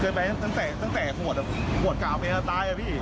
เกิดไปตั้งแต่ขวดกล่าวไปจะตาย